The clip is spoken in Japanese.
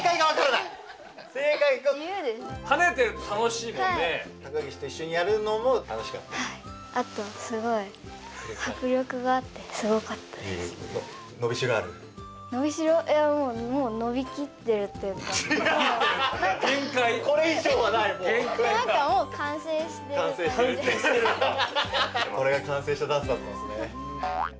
なんかもうこれが完成したダンスだったんですね。